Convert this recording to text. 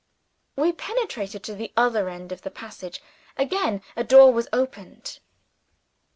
We penetrated to the other end of the passage. Again, a door was opened.